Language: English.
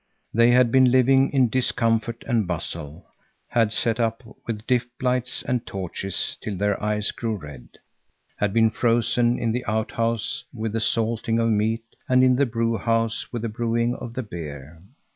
They had been living in discomfort and bustle, had sat up with dip lights and torches till their eyes grew red, had been frozen in the out house with the salting of meat and in the brew house with the brewing of the beer.